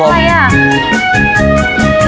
เป็นอะไรอ่ะ